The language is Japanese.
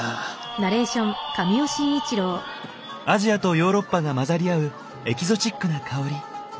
アジアとヨーロッパが混ざり合うエキゾチックな薫り。